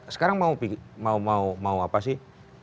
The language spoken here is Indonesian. sekarang mau apa sih